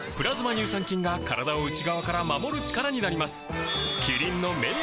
乳酸菌が体を内側から守る力になります